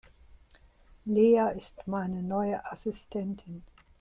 Lea ist meine neue Assistentin.